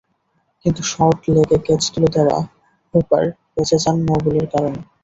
কিন্তু শর্ট লেগে ক্যাচ তুলে দেওয়া হুপার বেঁচে যান নো-বলের কারণে।